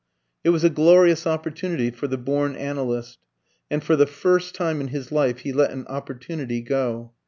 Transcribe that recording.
It was a glorious opportunity for the born analyst; and for the first time in his life he let an opportunity go.